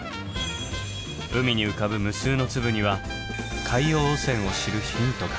海に浮かぶ無数の粒には海洋汚染を知るヒントが。